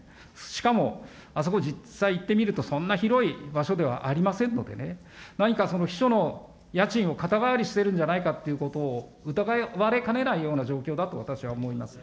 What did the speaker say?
しかも、あそこ、実際行ってみると、そんな広い場所ではありませんのでね、何かその、秘書の家賃を肩代わりしてるんじゃないかってことを疑われかねないような状況だと、私は思います。